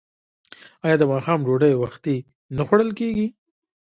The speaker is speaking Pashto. آیا د ماښام ډوډۍ وختي نه خوړل کیږي؟